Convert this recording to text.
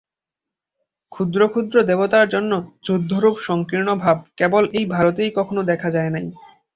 ক্ষুদ্র ক্ষুদ্র দেবতার জন্য যুদ্ধরূপ সঙ্কীর্ণ ভাব কেবল এই ভারতেই কখনও দেখা যায় নাই।